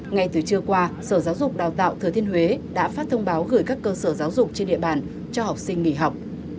ngay từ trưa qua sở giáo dục đào tạo thừa thiên huế đã phát thông báo gửi các cơ sở giáo dục trên địa bàn cho học sinh nghỉ học